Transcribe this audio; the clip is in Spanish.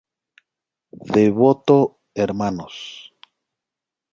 Devoto Hnos.